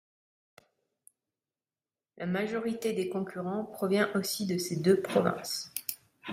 La majorité des concurrents provient aussi de ces deux provinces.